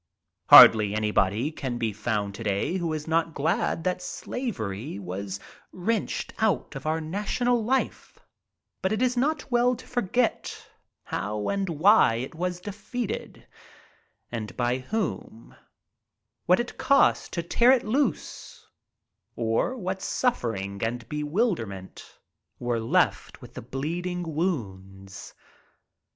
Hardly anybody can be found today who is not glad that Slavery was wrenched out of our national life, but it is not well to forget how and why it was defended, and by whom; what it cost to tear it loose, or what suffering and bewilderment were left with the bleeding wounds.